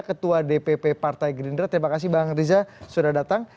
ketua dpp partai gerindra terima kasih bang riza sudah datang